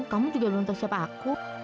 kamu juga belum tahu siapa aku